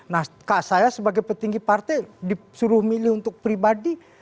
nah saya sebagai petinggi partai disuruh milih untuk pribadi